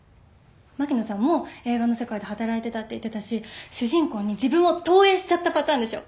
牧野さんも映画の世界で働いてたって言ってたし主人公に自分を投影しちゃったパターンでしょ？